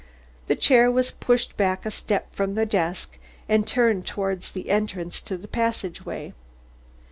The chair was pushed back a step from the desk and turned towards the entrance to the passageway.